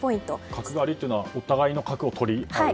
角換わりというのはお互いの角を取り合うと？